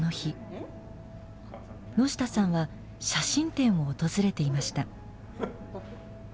野下さんは写真展を訪れていました。